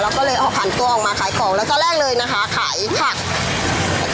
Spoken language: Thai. แล้วก็เลยออกหันตัวออกมาขายของแล้วก็แรกเลยนะคะขายผัก